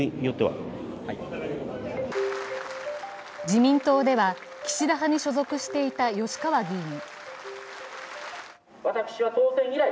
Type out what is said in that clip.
自民党では岸田派に所属していた吉川議員。